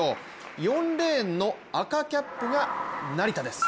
４レーンの赤キャップが成田です。